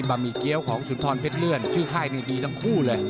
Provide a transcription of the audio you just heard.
หมี่เกี้ยวของสุนทรเพชรเลื่อนชื่อค่ายนี่ดีทั้งคู่เลย